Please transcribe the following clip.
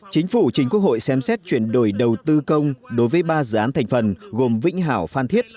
chính phủ chính quốc hội xem xét chuyển đổi đầu tư công đối với ba dự án thành phần gồm vĩnh hảo phan thiết